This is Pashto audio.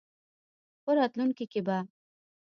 په راتلونکې کې به